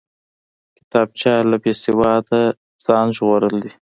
کتابچه له بېسواده ځان ژغورل دي